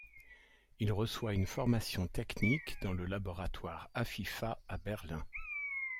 Il reçoit une formation technique dans le laboratoire Afifa à Berlin.